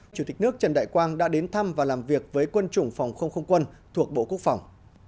chủ tịch nước trần đại quang đã đến thăm và làm việc với quân chủng phòng không không quân thuộc bộ quốc phòng